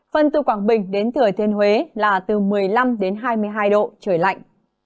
phần từ quảng bình đến thừa thiên huế là từ một mươi năm đến hai mươi hai độ trời lạnh